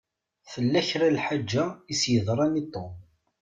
Tella kra lḥeǧa i s-yeḍṛan i Tom.